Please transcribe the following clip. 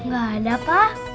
gak ada pak